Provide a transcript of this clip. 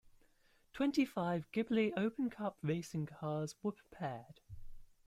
Twenty-five Ghibli Open Cup racing cars were prepared.